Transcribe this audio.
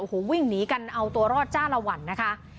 โอ้โหวิ่งหนีกันเอาตัวรอดจ้าละวันนะคะ